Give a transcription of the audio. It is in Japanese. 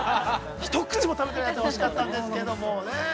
一口も食べてないやつを欲しかったんですけどね。